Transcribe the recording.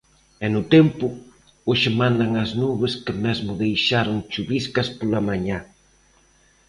E no tempo, hoxe mandan as nubes que mesmo deixaron chuviscas pola mañá.